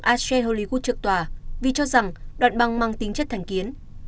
asher hollywood trực tòa vì cho rằng đoạn băng mang tính chất thành kiến